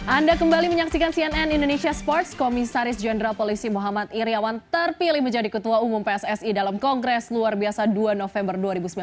anda kembali menyaksikan cnn indonesia sports komisaris jenderal polisi muhammad iryawan terpilih menjadi ketua umum pssi dalam kongres luar biasa dua november dua ribu sembilan belas